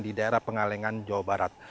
di daerah pengalengan jawa barat